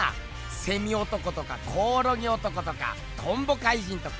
セミ男とかコオロギ男とかトンボ怪人とか！